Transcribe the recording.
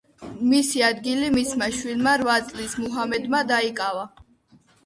მისი ადგილი მისმა შვილმა რვა წლის მუჰამედმა დაიკავა.